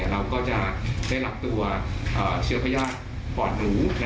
เราก็จะได้รับตัวเชื้อพญาติปอดหนู